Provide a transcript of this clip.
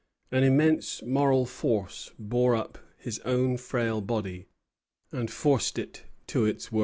An immense moral force bore up his own frail body and forced it to its work.